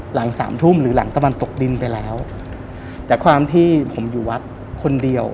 หลังสามทุ่มหรือหลังตะวันตกดินไปแล้วแต่ความที่ผมอยู่วัดคนเดียว